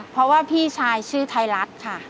เพราะว่าพี่ชายชื่อไทยรัฐค่ะ